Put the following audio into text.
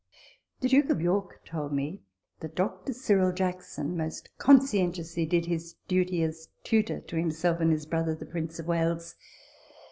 The Duke of York told me that Dr. Cyril Jackson most conscientiously did his duty as tutor to him and his brother, the Prince of Wales.